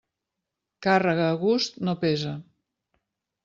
Càrrega a gust no pesa.